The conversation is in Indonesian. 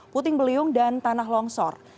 puting beliung dan tanah longsor